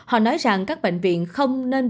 họ nói rằng các bệnh viện không nên